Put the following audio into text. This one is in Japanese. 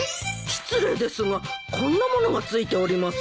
失礼ですがこんなものが付いております。